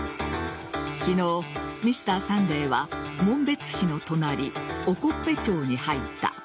昨日、「Ｍｒ．サンデー」は紋別市の隣興部町に入った。